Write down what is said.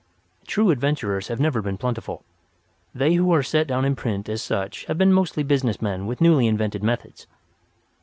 True adventurers have never been plentiful. They who are set down in print as such have been mostly business men with newly invented methods.